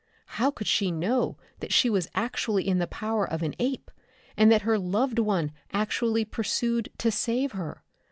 How could she know that she was actually in the power of an ape, and that her loved one actually pursued to save her?